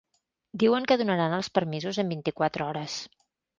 Diuen que donaran els permisos en vint-i-quatre hores.